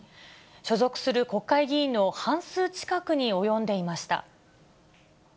所属する国会議員の半数近くに及んでいました。